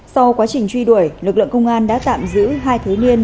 sau quá trình truy đuổi lực lượng công an đã tạm giữ hai thiếu niên